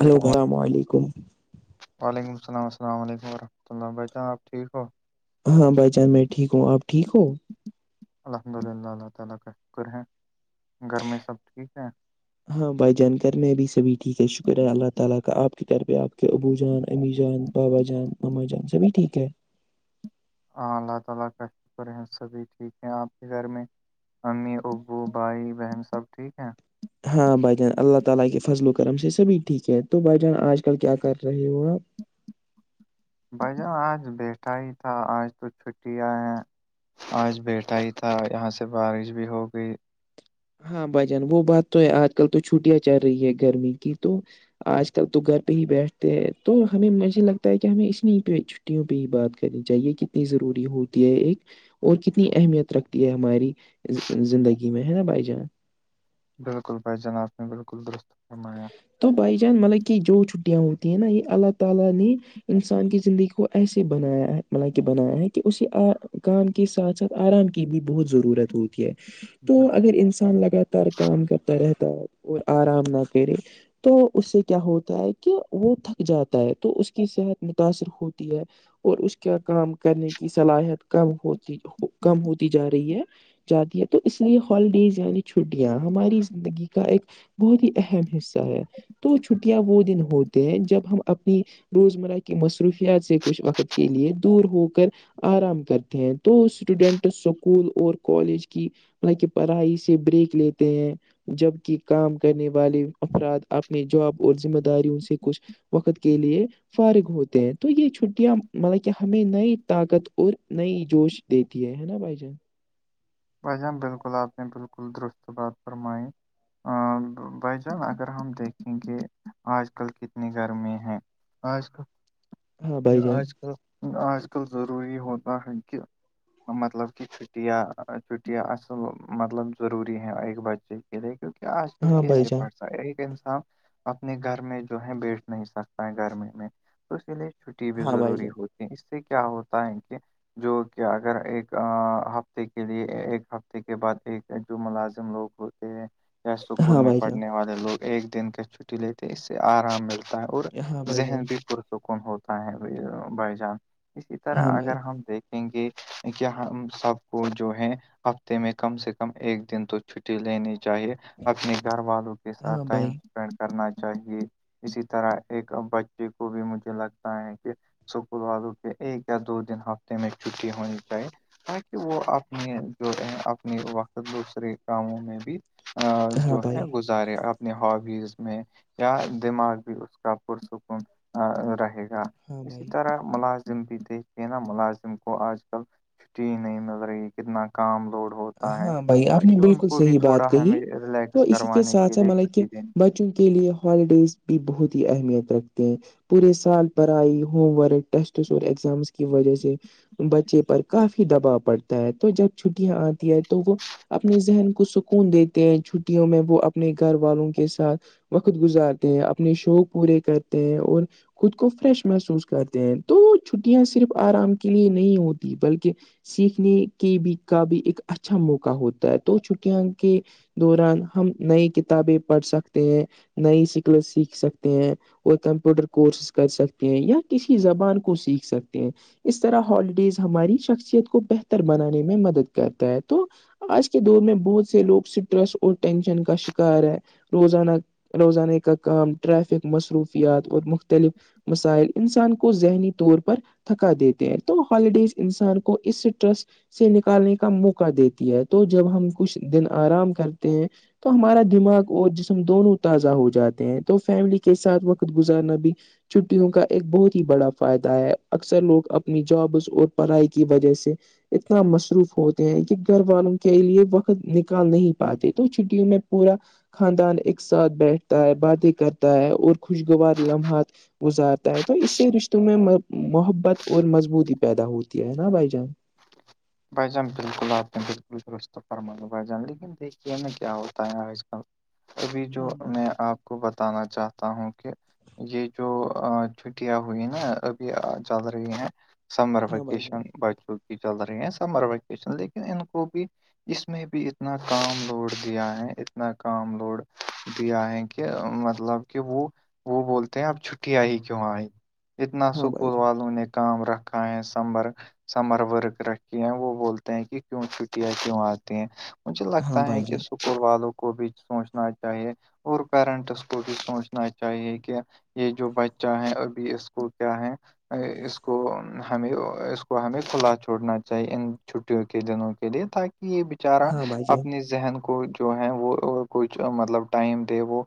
Hello السلام علیکم وعلیکم السلام السلام علیکم ورحمۃ اللہ بھائیان آپ ٹھیک ہو ہاں بھائی جان میں ٹھیک ہوں آپ ٹھیک ہو الحمد للہ اللہ تعالی کا شکر ہیں گھر میں سب ٹھیک ہیں ہاں بھائی جانکر میں بھیھی سبھی ٹھیک ہے شکرہ اللہ تعالی کا آپ کے طر پہ آپ کے ابو جان امی جان بابا جان ما جان سبھی ٹھیک ہے ہاں اللہ تعالی کا شکر ہے سبھی ٹھیک ہیں آپ کے گھر میں امی ابو بھائی بہن سب ٹھیک ہیں ہاں بھائی جان اللہ تعالی کے فضل و کرم سے سبھی ٹھیک ہے تو بھائی جان آج کل کیا کر رہے ہو آپ بھائی جان آج بیٹا ہی تھا آج تو چھٹییا آ ہیں آج بیٹھا ہی تھا یہاں سے بارش بھی ہو گئی ہاں بھجان وہ بات تو ہے آج کل تو چھٹیاں چل رہی ہے گرمی کی تو آج کل تو گھر پہ ہی بیٹھتے ہیں تو ہمیں مجھے لگتا ہے کہ ہمیں اس میں بھی سوں پہ ہی بات کرنی چاہیے کتنی ضروری ہوتی ہے ایک اور کتنی اہمیت رکھتی ہے ہماری زندگی میں ہے نا بھائی جان بالکل بھائی جناب نے بالکل درست فرمایا تو بھائی جان مطلب کہ جو چھٹیاں ہوتی ہیں نا یہ اللہ تعالی نے انسان کی زندگی کو ایسے بنایا ہے مل کہ بنایا ہے کہ اسے کام کے ساتھ ساتھ آرام کی بھی بہت ضرورت ہوگی ہے تو بالکل اگر انسان لگاتار کام کرتا رہتا ہے اور آرام د پیرس تو اس سے کیا ہوتا ہے کہ وہ تھک جاتا ہے تو اس کی صحت متاثر ہوتی ہے اور اس کا کام کرنے کی صلاحیت کم ہوتی کم ہوتی جا رہی ہے جاتی ہے تو اس لیے ہالیڈیز یعنی چھٹیاں ہماری زندگی کا ایک بہت ہی اہم حصہ ہے تو چھٹیاں وہ دن ہوتے ہیں جب ہم اپنی روزمرہ کی مصروفیات سے کچھ وقت کے لیے دور ہو کر آرام کرتے ہیں تو اسٹوڈیننٹ اسکول اور کالج کی مطلب کہ پڑھائی سے بریک لیتے ہیں جبکی کام کرنے والے افراد اپنے جاب اور ذمہ داریوں سے کچھ وقت کے لیے فارغ ہوتے ہیں تو یہ چھٹیاں مطلب کہ ہمیں نئی طاقت اور نئی جوش دیتی ہے نا بھائی جان بھائی جان بالکل آپ نے بالکل درست بات فرمائی ہاں بھائی جان اگر ہم دیکھیں گے آج کل کتنی گرمی ہے اج ہاں کل بھائی جان اج کل آج کل ضروری ہوتا ہے کہ مطلب کہ چھٹیاں چھٹیاں اصل مطلب ضروری ہیں ایک بچے کے لیے کیونکہ آج کل ہاں بھائی کیسے جان پڑھ ایک انسان اپنے گھر میں جو ہے بیٹھ نہیں سکتا ہے گھر میں تو اسی لیے چھٹی بھی ہاں بھائی ضروری جان ہوتی اس سے کیا ہوتا ہے کہ جو کہ اگر ایک ہفتے کے لیے ایک ہفتے کے بعد ایک جو ملازم لوگ ہوتے ہیں یا اسکول ہاں میں بھائی جان پڑھنے والے لوگ ایک دن کا چھٹی لیتے ہیں اس سے آرام ملتا ہے اور ہاں بھائی ذہن جان بھی پرسکون ہوتا ہے بھائی جان اسی طرح ہاں بھائی اگر ہم دیکھ کیا ہم سب کو جو ہے ہفتے میں کم سے کم ایک دن تو چھٹی لینی چاہیے اپنے گھر والوں کے ساتھ ہاں ٹائم بھائی اسپینڈ کرنا چاہیے اسی طرح ایک بچے کو بھی مجھے لگتا ہے کہ اسکول والوں کے ایک یا دو دن ہفتے میں چھٹی ہونی چاہی [unintelligible] وہ آنے جو اپنے وقت دوسرے کاموں میں بھی ہاں جو بھائی ہے سارے اپنی ہابیز میں یا دماغ بھی اس کا پرسکون رہے گا ہاں اسی بھائی طرح ملازم بھی دیکھے نا ملازم کو آج کل چھٹی ہی نہیں مل رہی ہے کتنا کام لوڈ ہوتا ہے ہاں بھائی آپ نے تاکہ ان بالکل کو بھی صحیح بات تھوڑا کہی ہمیں تو ریلیکس اسی کے کروانے ساتھ ساتھ لیے مطلب کہ چھٹی دینی چاہیے بچوں کے لیے ہالیڈیز بھی بہت ہی اہمیت رکھتے ہیں پورے سال پڑھائی ہوم ورک ٹیسٹس اور ایگزامس کی وجہ سے بچے پر کافی دباؤ پڑتا ہے تو جب چھٹیاں آتی ہے تو وہ اپنے ذہن کو سکون دیتے ہیں چھٹیوں میں وہ اپنے گھر والوں کے ساتھ وقت گزارتے ہیں اپنے شوق پورے کرتے ہیں اور خود کو فریش محسوس کرتے ہیں تو چھٹیاں صرف آرام کے لیے نہیں ہوتی بلکہ سیکھنے کی بھی کا بھی ایک اچھا موقع ہوتا ہے تو چھٹیاں کے دوران ہم نئی کتابیں پڑھ سکتے ہیں نئی شکلت سیکھ سکتے ہیں وہ کمپیوٹر کورسز کر سکتے ہیں یا کسی زبان کو سیکھ سکتے ہیں اس طرح ہالیڈیز ہماری شخصیت کو بہتر بنانے میں مدد کرتا ہے تو آج کے دور میں بہت سے لوگ اسٹریس اور ٹینشن کا شکار ہے روزانہ روزانے کا کام ٹریفک مصروفیات اور مختلف مسائل انسان کو ذہنی طور پر تھکا دیتے ہیں تو ہالیڈیز انسان کو اس اسٹرس سے نکالنے کا موقع دیتی ہے تو جب ہم کچھ دن آرام کرتے ہیں تو ہمارا دماغ اور جسم دونوں تازہ ہو جاتے ہیں تو فیملی کے ساتھ وقت گزارنا بھی چھٹیوں کا ایک بہت ہی بڑا فائدہ ہے اکثر لوگ اپنی جابس اور پڑھائی کی وجہ سے اتنا مصروف ہوتا ہیں کہ گھر والوں کے لیے وقت نکال نہیں پاتے تو چھٹیوں میں پورا خاندان ایک ساتھ بیٹھتا ہے باتیں کرتا ہے اور خوشگوار لمحات گزارتا ہے تو اس سے رشتوں میں محبت اور مضبوطی پیدا ہوتی ہے نا بھائی جان بھائی جان بالکل آپ نے بالکل دست فرما لو بھائی جان لیکن دیکھیے میں کیا ہوتا ہے آج کل ابھی جو ہاں بھائی میں آپ کو بتانا چاہتا ہوں کہ یہ جو چھٹیاں ہوئی نا ابھی چل رہی ہیں سمر ہاں بھائی جان ویکیشن بچوں کی چل رہی ہیں سمر ویکیشن لیکن ان کو بھی اس میں بھی اتنا کام لوڈ دیا ہے اتنا کام لوڈ دیا ہے کہ کہ مطلب کہ وہ وہ بولتے ہیں اب چھٹی آئی کیوں آئی اتنا ہاں بھائی اسکول جان واتڑلوں نے کام رکھا ہے سمر سمر رکے ہیں وہ بولتے ہیں کہ کیوں چھٹیاں کیوں آتی ہیں مجھے ہاں لگتا بھائی ہے کہ جان س اسکول والوں کو بھی سوچنا چاہیے اور پیرنٹس کو بھی سوچنا چاہیے کہ یہ جو بچہ ہے ابھی اسکول کیا ہے اس کو ہمیں اس کو ہم کھلا چ چھوڑنا چاہیے ان چھٹیوں کے دنوں کے لیے تاکہ یہ بیچارہ ہاں بھائی جان اپنی ذہن کو جو ہے وہ کچھ مطلب ٹائم دے وہ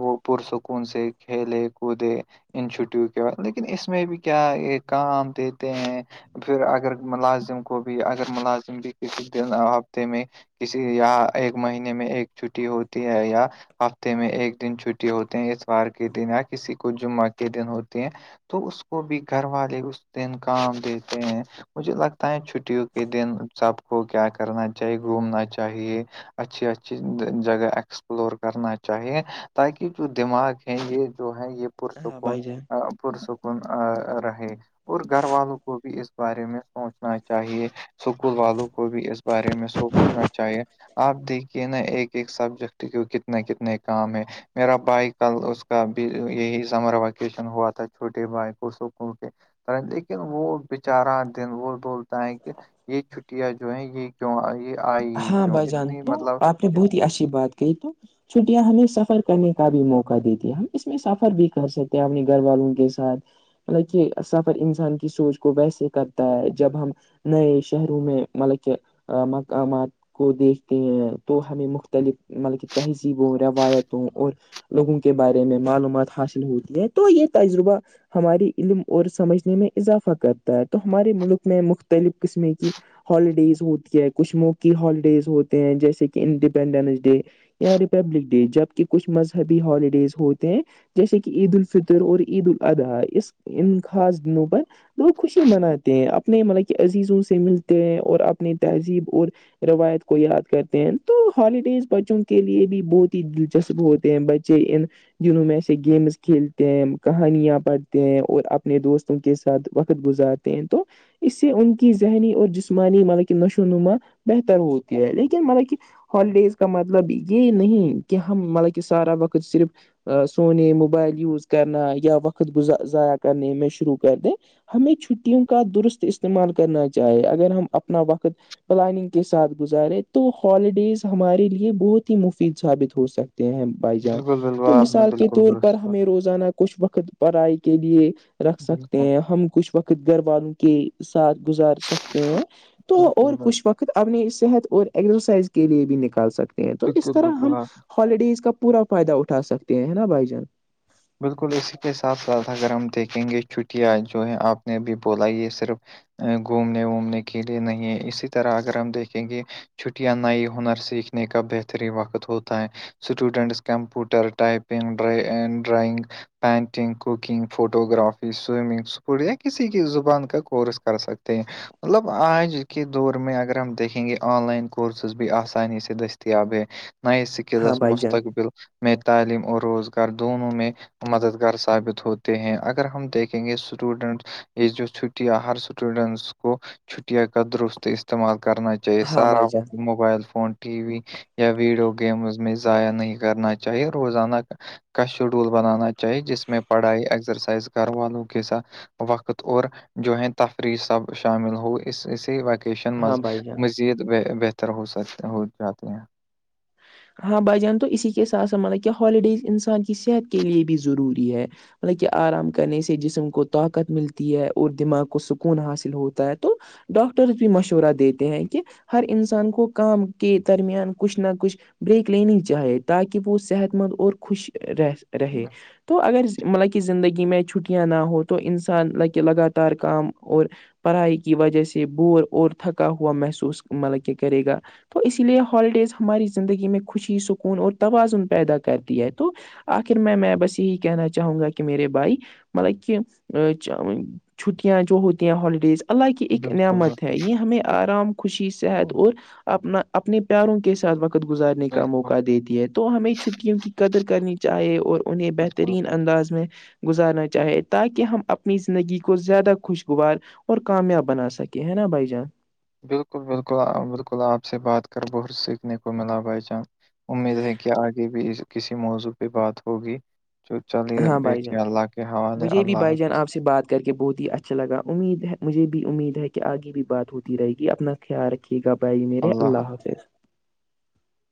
وہ پرسکون سے کھیلے کودے ان چھٹیوکے بعد لیکن اس میں بھی کیا یہ کام دیتے ہیں پھر اگر ملازم گو بھی اگر ملازم بھی کسی دن ہفتے میں کسی یا ایک مہینے میں ایک چھٹی ہوتی ہے یا ہفتے میں ایک دن چھٹی ہوتی ہیں اتوار کے دن یا کسی کو جمعہ کے دن ہوتی ہیں تو اس کو بھی گھر والے اس سے ان کام دیتے ہیں مجھے لگتا ہے چھٹیوں کے دن سب کو کیا کرنا چاہیے گھومنا چاہیے اچھی اچھی جگہ اسپلور کرنا چاہیے تاکہ جو دماغ یہ جو ہے یہ [unintelligible] ہاں پرسکون بھائی جان پرسکون رہے اور گھر والوں کو بھی اس بارے میں سوچنا چاہیے اسکول والوں کو بھی اس بارے میں سوچنا چاہیے آپ دیکھیے نا ایک ایک سبجیکٹ کے کتنے کتنے کام ہے میرا بھائی کل اس کا بھی یہی سمر ویکیشن ہوا تھا چھوٹے بھائی کو سکول کے لیکن وہ بیچارہ دن وہ بولتا ہے کہ یہ چھٹیاں جو ہے یہ کی آئی [unintelligible] ہاں بھائی جان اتنی تو مطلب آپ نے ات- بہت ہی اچھی بات کہی تو چھٹیاں ہمیں سفر کرنے کا بھی موقع دیتی ہے ہم اس میں سفر بھی کر سکتے ہیں اپنے گھر والوں کے ساتھ مطلب کہ سفر انسان کی سوچ کو ویسے کرتا ہے جب ہم نئے شہروں میں مطلب کہ مقامات کو دیکھتے ہیں تو ہمیں مختلف مطلب کہ تہذیبوں روایتوں اور لوگوں کے بارے میں معلومات حاصل ہوتی ہے تو یہ تجربہ ہماری علم اور سمجھنے میں اضافہ کرتا ہے تو ہمارے ملک میں مختلف قسم کی ہالیڈیز ہوتی ہے کچش مو کی ہالیڈیز ہوتے ہیں جیسے کہ انڈیپینڈنس ڈے یا ریپبلک ڈے جبک کچھ مذہبی ہالیڈیز ہوتے ہیں جیسے کہ عید الفطر اور عید الاضحی اس ان خاص دنوں پر وہ خوشی مناتے ہیں اپنے مطلب کہ عزیزوں سے ملتے ہیں اور اپنی تہذیب اور روایت کو یاد کرتے ہیں تو ہالیڈیز بچوں کے لیے بھی بہت ہی دلچسپ ہوتے ہیں بچے ان جنہوں میں ایسے گیمس کھیلتے ہیں کہانیاں پڑھتے ہیں اور اپنے دوستوں کے ساتھ وقت گزارتے ہیں تو اس سے ان کی ذہنی اور جسمانی مطلب کہ نشو و نما بہتر ہوتی ہے لیکن مطل کی ہالیڈیز کا مطلب یہ نہیں کہ ہم مطلب کہ سارا وقت صرف سونے موبائل یوز کرنا یا وقت گز ضائع کرنے میں شروع کر دیں ہمیں چھٹیوں کا درست استعمال کرنا چاہیے اگر ہم اپنا وقت پلاننگ کے ساتھ گزارے تو ہالیڈیز ہمارے لیے بہت ہی مفید ثابت ہو سکتے ہیں ہم بھائی جان بالکل بالکل تو آپ نے مثال کے بالکل طور پر درست کہا۔ ہمیں روزانہ کچھ وقت پڑھائی کے لیے رکھ سکتے بالکل ہیں ہم کچھ وقت گھر وال والوں کے ساتھ گزار سکتے ہیں تو بالکل اور کچھ وقت اپنی صحت اور ایکسرسائز کے لیے بھی نکال سکتے ہیں تو اس بالکل طرح بالکل ہم آپ ہالیڈیز کا پورا فائدہ اٹھا سکتے ہیں نا بھائی جان بالکل اسی کے ساتھ ساتھ اگر ہم دیکھیں گے چٹیاں جو ہے آپ نےب بولا یہ صرف گھومنے وومنے کے لیے نہیں ہے اسی طرح اگر ہم دیکھیں گے چھٹیاں نئی ہنر سیکھنے کا بہترین وقت ہوتا ہے students computer typing drawing painting cooking photography swimming school یا کسی کی زبان کا کورس کر سکتے ہیں مطلب آج کے دور میں اگر ہم دیکھیں گے آن لائن کورسز بھی آسانی سے دستیاب ہے نئی ہاں اسکلس بھائی جان مستقبل میں تعلیم اور روزگار دونوں میں مددگار ثابت ہوتے ہیں اگر ہم دیکھیں گے اسٹوڈنٹس یہ جو چھٹیاں ہر اسٹوڈینٹس کو چھٹیاں کا درست استعمال کرنا چاہیے ہاں سارا بھائی جان وقت موبائل فون ٹی وی یا ویڈیو گیمز میں ضائع نہیں کرنا چاہیے روزانہ کا کا شیڈول بنانا چاہیے جس میں پڑھائی اکسرسائز گھر والوں کے ساتھ وقت اور جو ہے تفریح سب شامل ہو اس اسی وقت ہاں بھائی جان مزید بہتر ہوسکتا ہو جاتے ہیں ہاں بھائی جان تو اسی کے ساتھ س مطلب کہ ہالیڈیز انسان کی صحت کے لیے بھی ضروری ہے مطلب کہ آرام کرنے سے جسم کو طاقت ملتی ہے اور دماغ کو سکون حاصل ہوتا ہے تو ڈاکٹرز بھی مشورہ دیتے ہیں کہ ہر انسان کو کام کے درمیان کچھ نہ کچھ بریک لینی چاہے تاکہ وہ صحت مند اور خوش رہ رہے تو اگر ملکہ زندگی میں چھٹیاں نہ ہو تو انسان لگ لگاتار کام اور پڑھائی کی وجہ سے بور اور تھکا ہوا محسوس مطلب کے کرے گا تو اسی لیے ہالیڈیز ہماری زندگی میں خوشی سکون اور توازن پیدا کرتی ہے تو آخر میں میں بس یہی کہنا چاہوں گا کہ میرے بھائی مطلب کہ چھٹیاں جو ہوتی ہیں ہالیڈیز اللہ کی ایک بالکل نعمت ہے یہ ہمیں آرام خوشی صحت بالکل اور اپنا اپنے پیاروں کے ساتھ گزارنے کا موقع بالکل دیتی ہے تو ہمیں چھٹیوں کی قدر کرنی چاہے اور انہیں بہتر بہترین بالکل انداز میں گزارنا چاہے تاکہ ہم اپنی زندگی کو زیادہ خوشگوار اور کامیاب بنا سکیں کہ ناں بھائی جان بالکل بالکل بالکل آپ سے بات کر بہت سیکھنے کو ملا بھائی جان امید ہے کہ آگے بھی کسی موضوع پہ بات ہوگی تو چلیے ہاں بھائی جان بیٹھیے اللہ کے حوالے مجھے بھی اللہ بھائی جان حافظ آپ سے بات کر کے بہت ہی اچھا لگا امید ہے مجھے بھی امید ہے کہ آگے بھی بات ہوتی رہے گی اپنا خیال رکھیے گا بائی میرے اللہ حافظ